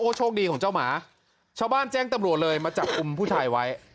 ก็โชคดีของเจ้าหมาชาวบ้านแจ้งตำรวจเลยมาจับกลุ่มผู้ชายไว้